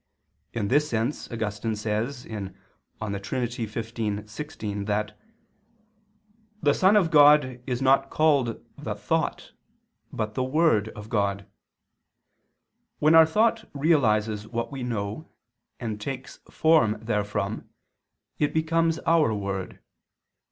In this sense Augustine says (De Trin. xv, 16) that "the Son of God is not called the Thought, but the Word of God. When our thought realizes what we know and takes form therefrom, it becomes our word.